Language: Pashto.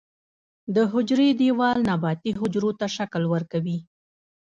د حجرې دیوال نباتي حجرو ته شکل ورکوي